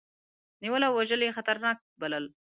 نیول او وژل یې خطرناک بلل.